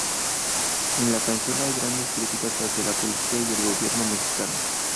En la canción hay grandes críticas hacia la policía y el gobierno mexicano.